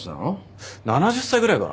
７０歳ぐらいかな。